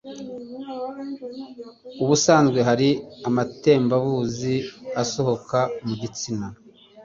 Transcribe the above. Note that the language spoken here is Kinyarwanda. Ubusanzwe hari amatembabuzi asohoka mu gitsina